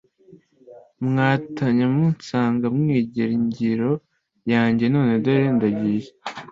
Mwatanya munsanga Mwigera ingiro yanjye None dore ndagiye: